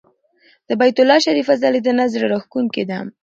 د بیت الله شریفه ځلېدنه زړه راښکونکې ده.